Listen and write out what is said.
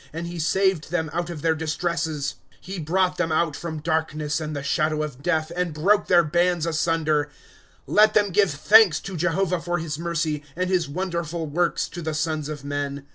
And he saved them out of their distresses. ./Google PSALMS. '* He brought them out from darkness and the shadow of death, And broke their bands asunder. ^* Let them give thanl^s to Jehovah for his mercy, And his wonderful works to the sons of men.